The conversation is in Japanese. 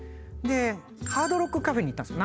ハードロックカフェに行ったんですよ。